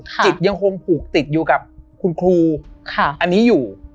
จิตยังคงผูกติดอยู่กับคุณครูอันนี้อยู่